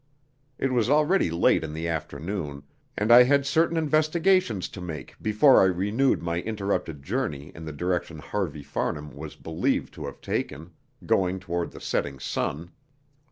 It was already late in the afternoon, and I had certain investigations to make before I renewed my interrupted journey in the direction Harvey Farnham was believed to have taken going toward the setting sun.